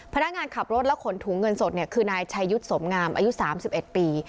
พนักงานขับรถและขนถุงเงินสดคือนายชายุทธ์สมงามอายุ๓๑ปี